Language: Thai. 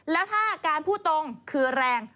แล้วถ้าการพูดตรงคือแรง